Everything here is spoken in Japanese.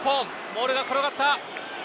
ボールが転がった。